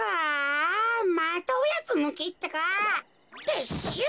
てっしゅう。